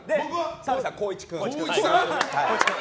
澤部さんは光一君。